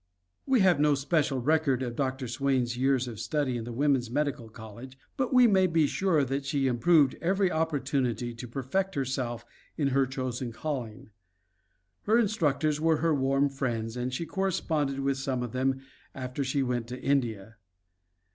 We have no special record of Dr. Swain's years of study in the Woman's Medical College, but we may be sure that she improved every opportunity to perfect herself in her chosen calling. Her instructors were her warm friends and she corresponded with some of them after she went to India.